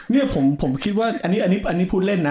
นี่ผมคิดว่าอันนี้พูดเล่นนะ